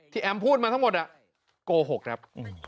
แอมพูดมาทั้งหมดโกหกครับ